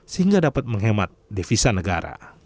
sehingga dapat menghemat devisa negara